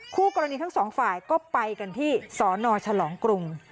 คู่กรณีทั้งสองฝ่ายก็ไปกันที่สนฉลองกรุง